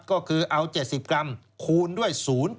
ก็คือเอา๗๐กรัมคูณด้วย๐๘